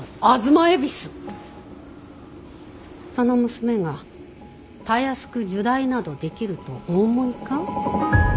その娘がたやすく入内などできるとお思いか。